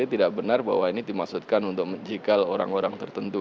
tidak benar bahwa ini dimaksudkan untuk menjikal orang orang tertentu